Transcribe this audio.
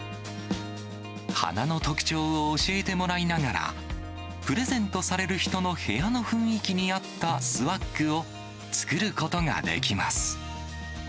花の特徴を教えてもらいながら、プレゼントされる人の部屋の雰囲気に合ったスワッグを作ることができます。